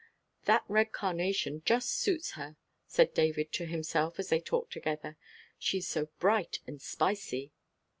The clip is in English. "That red carnation just suits her," said David to himself, as they talked together. "She is so bright and spicy."